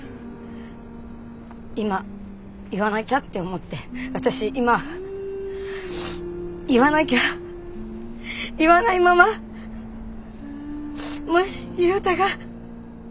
今言わなきゃって思って私今言わなきゃ言わないままもし雄太がって思って。